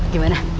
kau mah orang